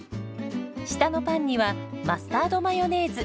下のパンにはマスタードマヨネーズ。